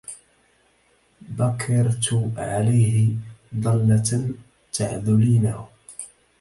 بكرت عليه ضلة تعذلينه